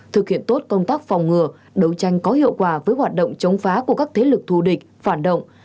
thực hiện tốt công tác phòng ngừa đấu tranh có hiệu quả với hoạt động chống phá của các thế lực thù địch phản động